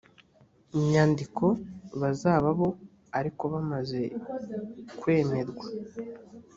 nyandiko bazaba bo ariko bamaze kwemerwa